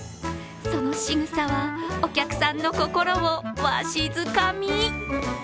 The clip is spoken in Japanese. そのしぐさは、お客さんの心をわしづかみ。